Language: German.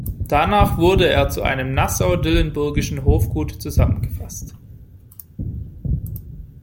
Danach wurde er zu einem nassau-dillenburgischen Hofgut zusammengefasst.